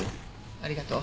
ありがとう。